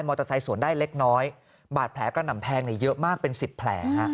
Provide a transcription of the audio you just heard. เตอร์ไซค์สวนได้เล็กน้อยบาดแผลกระหน่ำแทงเยอะมากเป็นสิบแผลฮะ